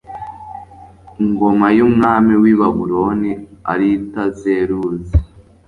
ngoma y umwami w i Babuloni Aritazeruzi